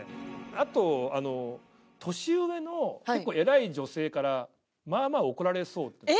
あとあの年上の結構偉い女性からまあまあ怒られそうです。